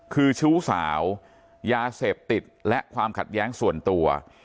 คือชู้สาวยาเสพติดและความขัดแย้งส่วนตัว